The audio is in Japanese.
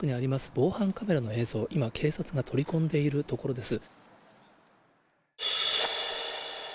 防犯カメラの映像、今、警察が取り込んでいるところです。